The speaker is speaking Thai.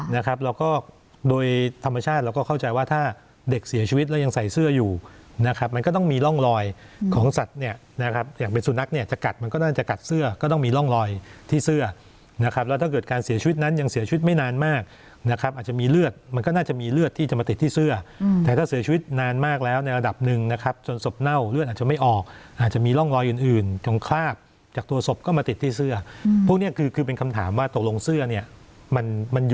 นะครับแล้วก็โดยธรรมชาติเราก็เข้าใจว่าถ้าเด็กเสียชีวิตแล้วยังใส่เสื้ออยู่นะครับมันก็ต้องมีร่องลอยของสัตว์เนี่ยนะครับอยากเป็นสุนัขเนี่ยจะกัดมันก็น่าจะกัดเสื้อก็ต้องมีร่องลอยที่เสื้อนะครับแล้วถ้าเกิดการเสียชีวิตนั้นยังเสียชีวิตไม่นานมากนะครับอาจจะมีเลือดมันก็น่าจะมีเลือดที่จะมา